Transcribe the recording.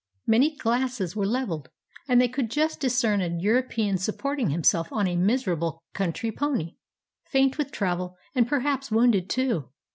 Many glasses were leveled, and they could just discern a European supporting himself on a miserable country pony, faint with travel, and per haps wounded too.